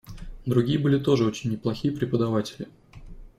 Другие были тоже очень неплохие преподаватели..